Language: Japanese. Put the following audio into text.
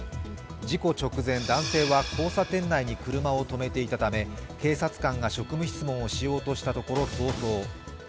事故直前、男性は交差点内に車を止めていたため警察官が職務質問をしようとしたところ逃走。